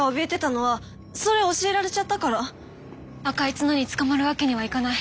赤い角に捕まるわけにはいかない。